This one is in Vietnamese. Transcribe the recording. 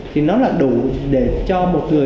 thì nó là đủ để cho một người